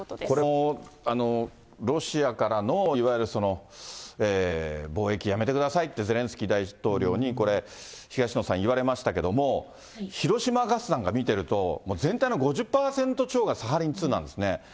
これもロシアからのいわゆるその貿易やめてくださいって、ゼレンスキー大統領にこれ、東野さん、言われましたけれども、広島ガスなんて見てみると、全体の５０％超がサハリン２なんですね。